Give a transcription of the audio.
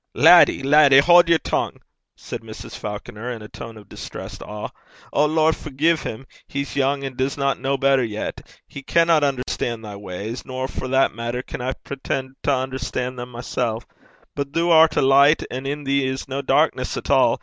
'Laddie! laddie! haud yer tongue!' said Mrs. Falconer, in a tone of distressed awe. 'O Lord, forgie 'im. He's young and disna ken better yet. He canna unnerstan' thy ways, nor, for that maitter, can I preten' to unnerstan' them mysel'. But thoo art a' licht, and in thee is no darkness at all.